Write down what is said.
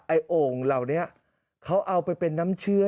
โอ่งเหล่านี้เขาเอาไปเป็นน้ำเชื่อ